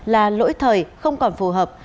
là lỗi thời không còn phù hợp